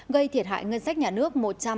gây thiệt hại ngân sách nhà nước